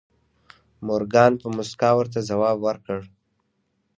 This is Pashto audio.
مورګان په موسکا ورته ځواب ورکړ